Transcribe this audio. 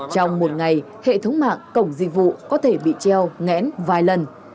trong một ngày hệ thống mạng cổng dịch vụ có thể bị treo ngẽn vài lần